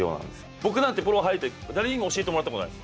僕なんてプロ入って、誰にも教えてもらってないです。